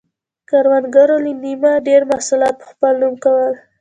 کروندګرو له نییمه ډېر محصولات په خپل نوم کول.